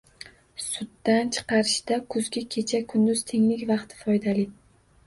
Sutdan chiqarishda kuzgi kecha-kunduz tenglik vaqti foydali.